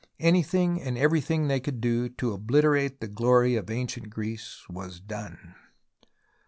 Anything and everything they could do to obliterate the glory of ancient Greece was done.